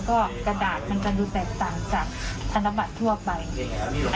ก็กระดาษมันจะดูแตกต่างจากธนบัตรทั่วไป